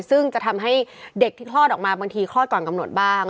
ซึ่งจะทำให้เด็กที่คลอดออกมาบางทีคลอดก่อนกำหนดบ้าง